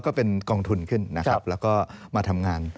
ก็เป็นกองทุนขึ้นนะครับแล้วก็มาทำงาน